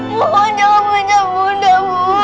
mohon jangan pecah muda bu